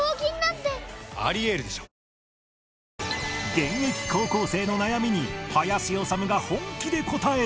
現役高校生の悩みに林修が本気で答える